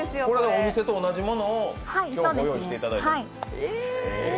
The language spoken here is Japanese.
お店と同じものをご用意していただいて。